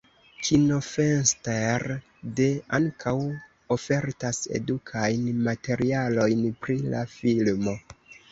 Kinofenster.de ankaŭ ofertas edukajn materialojn pri la filmo.